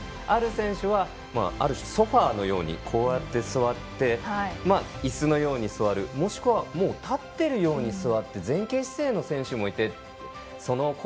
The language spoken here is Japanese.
ある選手はある種ソファーのように座っていすのように座るもしくは立っているように座って前傾姿勢の選手もいてと。